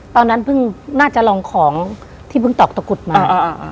ตอนนั้นน่าจะลองของที่เพิ่งตอกตกุฎมา